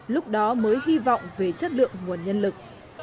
lúc đó mới hy vọng về chất lượng nguồn nhân lực